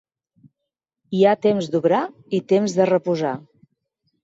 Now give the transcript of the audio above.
Hi ha temps d'obrar i temps de reposar.